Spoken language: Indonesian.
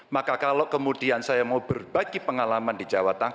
maka kalau kemudian saya mau berbagi pengalaman di jawa tengah